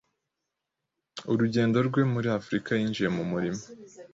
urugendo rwe muri Afrika yinjiye mu murimo